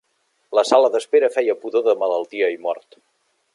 La sala d'espera feia pudor de malaltia i mort.